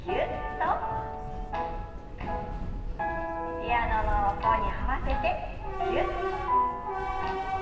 ピアノの音に合わせてぎゅっと。